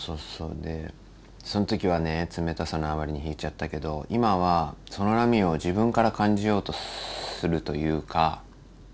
でその時はね冷たさのあまりに引いちゃったけど今はその波を自分から感じようとするというか。